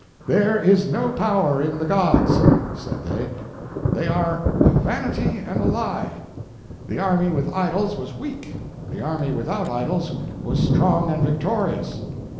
"There is no power in the gods," said they; "they are a vanity and a lie. The army with idols was weak; the army without idols was strong and victorious!"